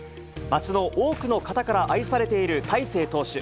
町の多くの方から愛されている大勢投手。